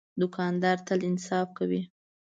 دوکاندار تل انصاف کوي.